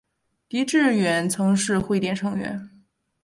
狄志远曾是汇点成员。